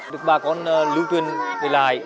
được bà con lưu truyền về lại